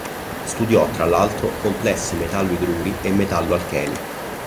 Studiò tra l'altro complessi metallo-idruri e metallo-alcheni.